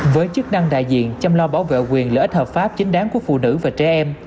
với chức năng đại diện chăm lo bảo vệ quyền lợi ích hợp pháp chính đáng của phụ nữ và trẻ em